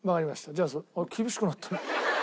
じゃあ厳しくなった。